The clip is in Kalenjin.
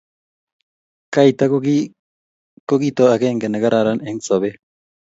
Kaita ko kito akenge ne kararan eng sobee.